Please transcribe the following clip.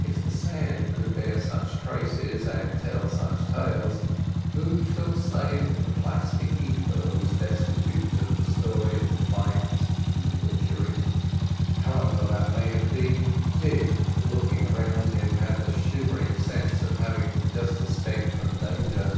If the sand could bear such traces, and tell such tales, who shall say that the plastic æther was destitute of the story of the fight and the butchery? However that may have been, Dick, looking around him, had the shivering sense of having just escaped from danger.